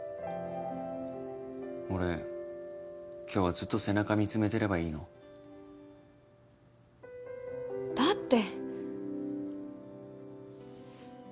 俺今日はずっと背中見つめてればいいの？だって。